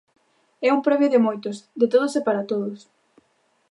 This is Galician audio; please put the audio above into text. É un premio de moitos, de todos e para todos.